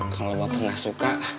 kalo bapak gak suka